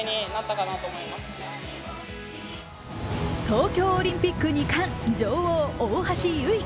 東京オリンピック２冠、女王・大橋悠依。